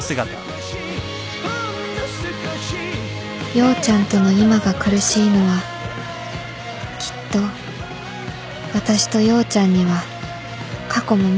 陽ちゃんとの今が苦しいのはきっと私と陽ちゃんには過去も未来もあるから